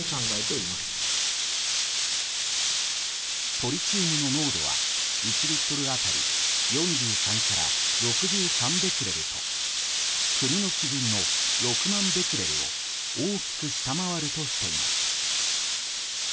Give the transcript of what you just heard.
トリチウムの濃度は１リットル当たり４３から６３ベクレルと国の基準の６万ベクレルを大きく下回るとしています。